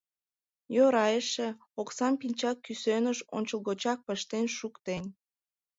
Йӧра эше, оксам пинчак кӱсеныш ончылгочак пыштен шуктен.